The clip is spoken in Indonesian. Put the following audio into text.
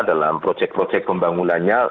dalam proyek proyek pembangunannya